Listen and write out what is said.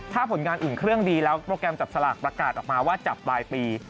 ถ้าผลงานอุ่นเครื่องดีแล้วโปรแกรมจับสลากประกาศออกมาว่าจับปลายปี